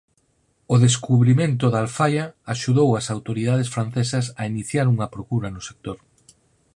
O descubrimento da alfaia axudou ás autoridades francesas a iniciar unha procura no sector.